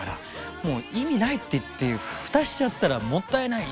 「もう意味ない」っていって蓋しちゃったらもったいないですよね。